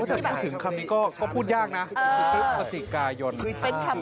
พูดถึงคำนี้ก็พูดยากนะ